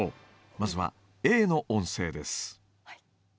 まずはＡの音声です。